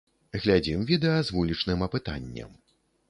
Глядзім відэа з вулічным апытаннем.